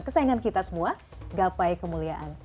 kesayangan kita semua gapai kemuliaan